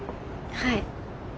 はい。